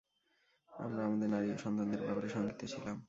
আমরা আমাদের নারী ও সন্তানদের ব্যাপারে শঙ্কিত ছিলাম।